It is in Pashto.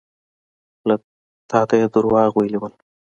تا ته يې دروغ ويلي وو.